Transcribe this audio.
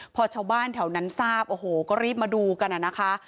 พอชาวบ้านแถวนั้นทราบโอ้โหก็รีบมาดูกันนะคะ